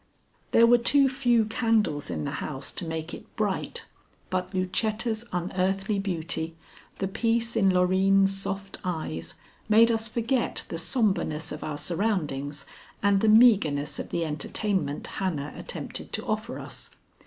There were too few candles in the house to make it bright, but Lucetta's unearthly beauty, the peace in Loreen's soft eyes, made us forget the sombreness of our surroundings and the meagreness of the entertainment Hannah attempted to offer us.